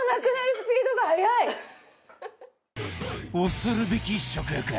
恐るべき食欲